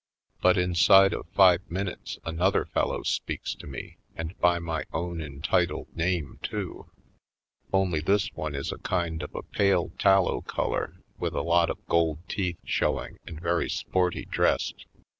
But inside of five minutes another fellow Harlem Heights 75 speaks to me, and by my own entitled name, too. Only, this one is a kind of a pale tal low color with a lot of gold teeth showing and very sporty dressed.